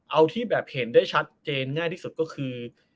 เอาที่แบบเห็นได้ชัดเจนง่ายที่สุดก็คือ